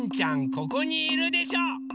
ここにいるでしょ！